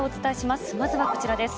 まずはこちらです。